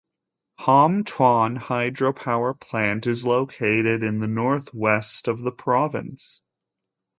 Ham Thuan hydro-power plant is located in the north-west of the province.